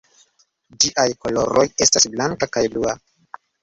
Ĝiaj koloroj estas blanka kaj blua.